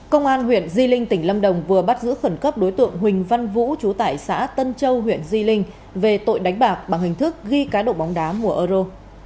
công an huyện di linh tỉnh lâm đồng vừa bắt giữ khẩn cấp đối tượng huỳnh văn vũ chú tải xã tân châu huyện di linh về tội đánh bạc bằng hình thức ghi cá độ bóng đá mùa euro